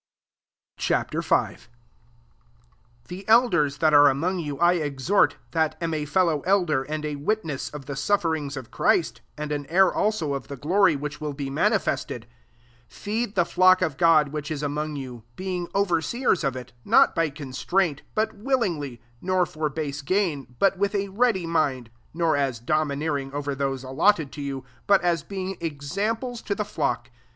Ch. V. 1 The elders that are among you I exhort, that am a fellow elder, and a witness of the sufferings of Christ, and an heir also of the glory which will be manifested ; 2 feed the flock of God which ia among you, being overseers of iV, not by constraint, but willingly; nor for base gain, but with a ready mind ; 3 nor as domineering oveV those alloted to you, but as being examples to the flock.